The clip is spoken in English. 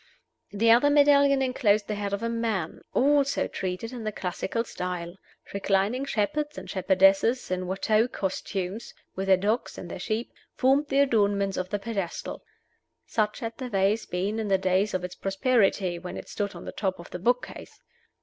The other medallion inclosed the head of a man, also treated in the classical style. Reclining shepherds and shepherdesses in Watteau costume, with their dogs and their sheep, formed the adornments of the pedestal. Such had the vase been in the days of its prosperity, when it stood on the top of the book case.